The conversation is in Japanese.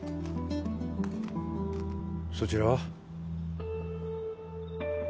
そちらは？